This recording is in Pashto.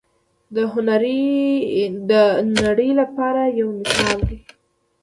هند د نړۍ لپاره یو مثال دی.